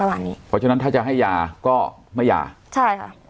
อย่างงี้เพราะฉะนั้นถ้าจะให้ยาก็ไม่ยาใช่ค่ะ